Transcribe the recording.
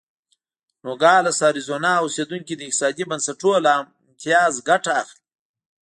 نوګالس اریزونا اوسېدونکي د اقتصادي بنسټونو له امتیاز ګټه اخلي.